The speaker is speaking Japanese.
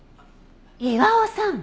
岩尾さん！